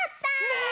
ねえ！